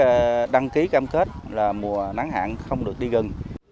và đồng ý cam kết là mùa nắng hạn không được đi gần